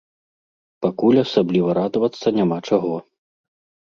Пакуль асабліва радавацца няма чаго.